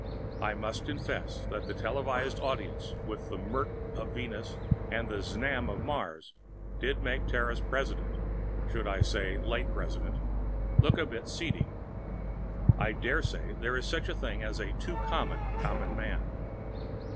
I must confess that the televised audiences with the Mrit of Venus and the Znam of Mars did make Terra's President I should say, late President look a bit seedy. I daresay there is such a thing as a too common Common Man.